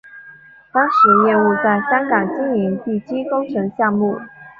当时业务在香港经营地基工程项目。